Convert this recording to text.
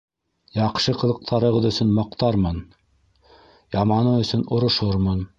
- Яҡшы ҡылыҡтарығыҙ өсөн маҡтармын, яманы өсөн орошормон.